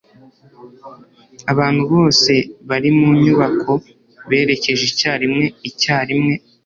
abantu bose bari mu nyubako berekeje icyarimwe icyarimwe